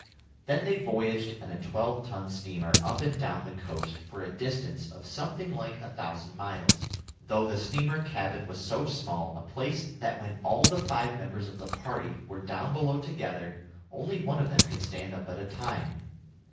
Then they voyaged in a twelve ton steamer up and down the coast for a distance of something like a thousand miles, though the steamer cabin was so small a place that when all the five members of the party were down below together, only one of them could stand up at a time.